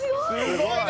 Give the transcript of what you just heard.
すごいな！